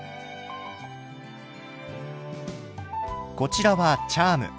こちらはチャーム。